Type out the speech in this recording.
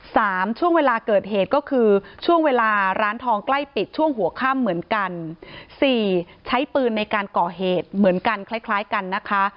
ช่วงเวลาเกิดเหตุก็คือช่วงเวลาร้านทองใกล้ปิดช่วงหัวค่ำเหมือนกันสี่ใช้ปืนในการก่อเหตุเหมือนกันคล้ายคล้ายกันนะคะ